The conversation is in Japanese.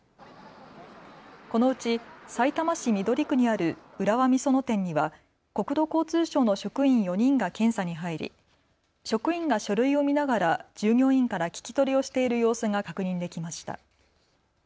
このうち、さいたま市緑区にある浦和美園店には国土交通省の職員４人が検査に入り、職員が書類を見ながら従業員から聞き取りをしている様子が確認できました。